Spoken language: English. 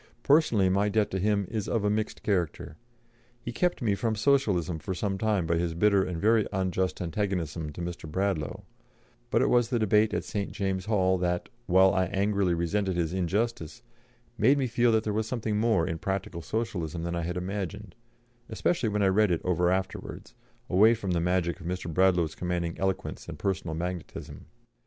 Personally, my debt to him is of a mixed character; he kept me from Socialism for some time by his bitter and very unjust antagonism to Mr. Bradlaugh; but it was the debate at St. James's Hall that, while I angrily resented his injustice, made me feel that there was something more in practical Socialism than I had imagined, especially when I read it over afterwards, away from the magic of Mr. Bradlaugh's commanding eloquence and personal magnetism.